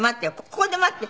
「ここで待って。